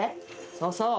そうそう！